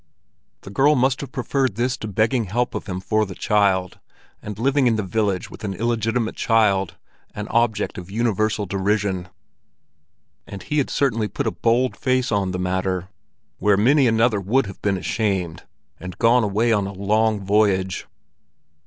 The girl must have preferred this to begging help of him for the child, and living in the village with an illegitimate child, an object of universal derision. And he had certainly put a bold face on the matter, where many another would have been ashamed and gone away on a long voyage.